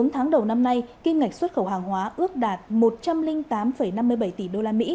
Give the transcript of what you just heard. bốn tháng đầu năm nay kim ngạch xuất khẩu hàng hóa ước đạt một trăm linh tám năm mươi bảy tỷ usd